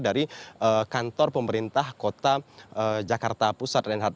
dari kantor pemerintah kota jakarta pusat reinhard